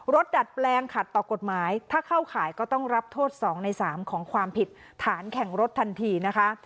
ดัดแปลงขัดต่อกฎหมายถ้าเข้าข่ายก็ต้องรับโทษ๒ใน๓ของความผิดฐานแข่งรถทันทีนะคะ